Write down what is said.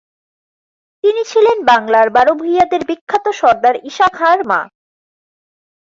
তিনি ছিলেন বাংলার বারো-ভুঁইয়াদের বিখ্যাত সরদার ঈশা খাঁর মা।